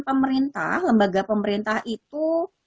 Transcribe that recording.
pemerintah lembaga pemerintah itu